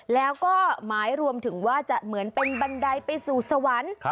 แล้วก็หมายรวมถึงว่าจะเหมือนเป็นบันไดไปสู่สวรรค์